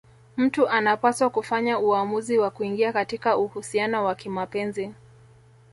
Mtu anapaswa kufanya uamuzi wa kuingia katika uhusiano wa kimapenzi